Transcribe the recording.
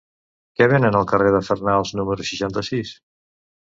Què venen al carrer de Fenals número seixanta-sis?